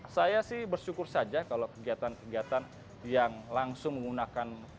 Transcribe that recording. saya sih bersyukur saja kalau kegiatan kegiatan yang langsung menggunakan